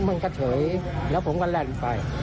มันก็เฉยแล้วผมก็แล่นไป